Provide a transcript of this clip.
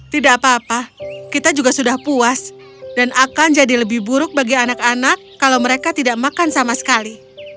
tidak apa apa kita juga sudah puas dan akan jadi lebih buruk bagi anak anak kalau mereka tidak makan sama sekali